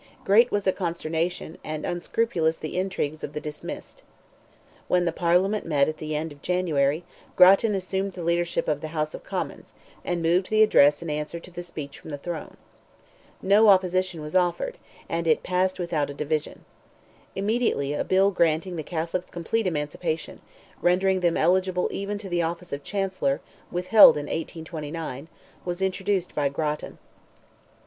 Great was the consternation, and unscrupulous the intrigues of the dismissed. When the Parliament met at the end of January, Grattan assumed the leadership of the House of Commons, and moved the address in answer to the speech from the throne. No opposition was offered—and it passed without a division. Immediately, a bill granting the Catholics complete emancipation—rendering them eligible even to the office of Chancellor, withheld in 1829—was introduced by Grattan.